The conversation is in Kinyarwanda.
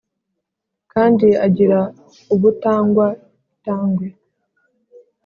kandi agira ubutangwa itangwe